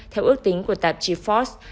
theo ước tính của tạp g force